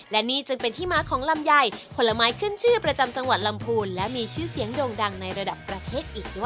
และนี่จึงเป็นที่มาของลำไยผลไม้ขึ้นชื่อประจำจังหวัดลำพูนและมีชื่อเสียงโด่งดังในระดับประเทศอีกด้วย